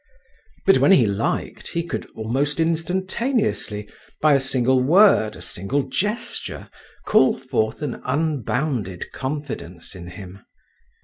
But when he liked, he could almost instantaneously, by a single word, a single gesture, call forth an unbounded confidence in him.